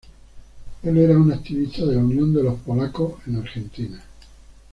Él era un activista de la Unión de los Polacos en Argentina.